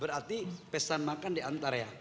berarti pesan makan di antara ya